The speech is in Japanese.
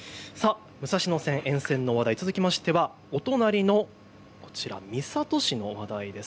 武蔵野線沿線の話題、続きましてはお隣の三郷市の話題です。